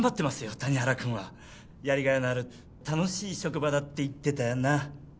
谷原君はやりがいのある楽しい職場だって言ってたよな？